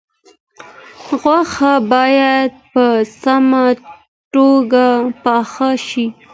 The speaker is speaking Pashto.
غوښه باید په سمه توګه پاخه شي.